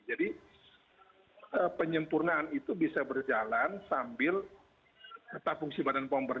jadi penyempurnaan itu bisa berjalan sambil setelah fungsi badan pom